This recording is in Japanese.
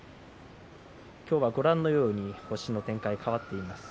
今日はご覧のように星の展開、変わっています。